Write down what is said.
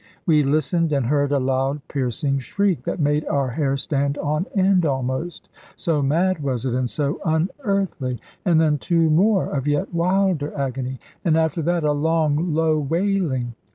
We listened, and heard a loud piercing shriek, that made our hair stand on end almost, so mad was it, and so unearthly; and then two more of yet wilder agony; and after that a long low wailing.